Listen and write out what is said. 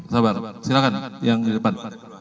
sabar silahkan yang di depan